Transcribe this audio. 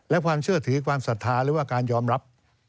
และความเชื่อถือความศรัทธาหรือว่าการยอมรับ